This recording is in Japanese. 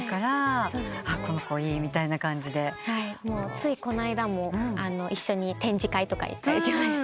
ついこの間も一緒に展示会とか行きました。